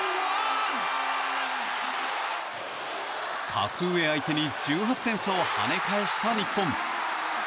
格上相手に１８点差を跳ね返した日本。